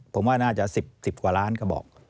ผมว่าน่าจะ๑๐กว่าล้านกระบอก